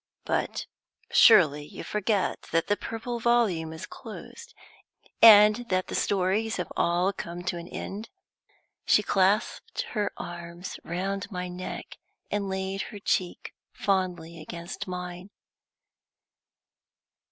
"'But surely you forget that the Purple Volume is closed, and that the stories have all come to an end?" She clasped her arms round my neck, and laid her cheek fondly against mine.